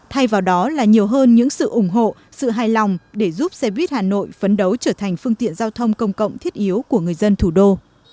thay vào đó là nhiều hơn những sự ủng hộ sự hài lòng để giúp xe buýt hà nội phấn đấu trở thành phương tiện giao thông công cộng thiết yếu của người dân thủ đô